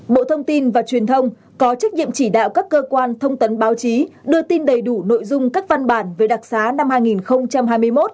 bộ thông tin và truyền thông có trách nhiệm chỉ đạo các cơ quan thông tấn báo chí đưa tin đầy đủ nội dung các văn bản về đặc xá năm hai nghìn hai mươi một